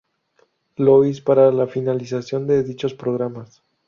Louis para la finalización de dichos programas.